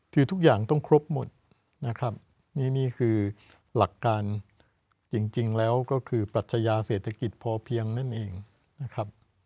คือทุกอย่างต้องครบหมดนะครับนี่คือหลักการจริงแล้วก็คือปรัชญาเศรษฐกิจพอเพียงนั่นเองนะครับ